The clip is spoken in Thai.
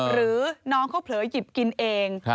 หรือน้องเขาเผลอหยิบกินเอง